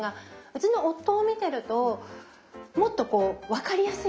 うちの夫を見てるともっとこう分かりやすいもの。